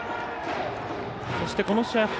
そして、この試合